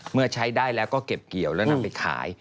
เมื่อใช้ได้แล้วก็เก็บเกี่ยวแล้วนำไปขาย